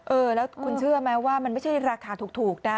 เออแล้วคุณเชื่อไหมว่ามันไม่ใช่ราคาถูกนะ